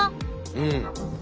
うん。